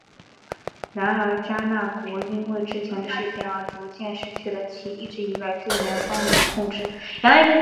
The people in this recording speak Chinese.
然而迦纳国因为之前的事件而逐渐失去了其一直以来对南方领的控制。